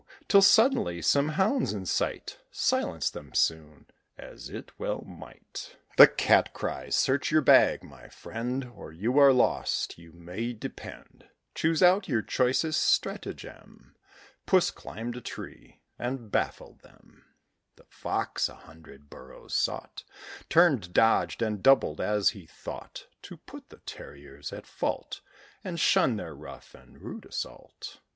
Till, suddenly, some hounds in sight Silenced them soon, as it well might. The Cat cries, "Search your bag, my friend, Or you are lost, you may depend: Choose out your choicest stratagem!" Puss climbed a tree, and baffled them. The Fox a hundred burrows sought: Turned, dodged, and doubled, as he thought, To put the terriers at fault, And shun their rough and rude assault.